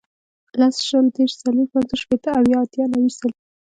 لس, شل, دېرش, څلوېښت, پنځوس, شپېته, اویا, اتیا, نوي, سل